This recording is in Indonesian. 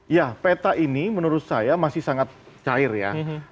ya peta ini menurut saya masih sangat cair ya